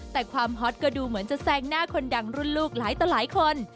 แต่ความฮอตก็ดูเหมือนจะแซงหน้าคนดังรุ่นลูกหลายต่อหลายคน